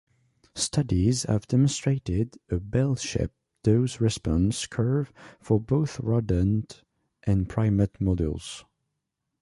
Studies have demonstrated a bell-shaped dose-response curve for both rodent and primate models.